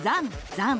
ざん！